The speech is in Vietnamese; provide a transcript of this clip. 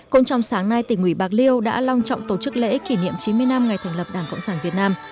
cũng trong sáng nay tỉnh ủy bạc liêu đã long trọng tổ chức lễ kỷ niệm chín mươi năm ngày thành lập đảng cộng sản việt nam